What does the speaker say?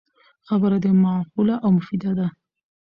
خبره دی معقوله او مفیده ده